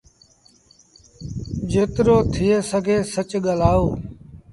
جيترو ٿئي سگھي سچ ڳآلآئو